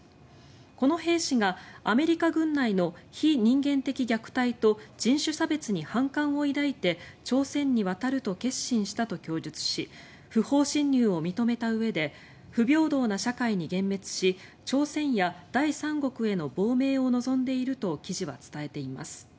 この兵士がアメリカ軍内の非人間的虐待と人種差別に反感を抱いて朝鮮に渡ると決心したと供述し不法侵入を認めたうえで不平等な社会に幻滅し朝鮮や第三国への亡命を望んでいると記事は伝えています。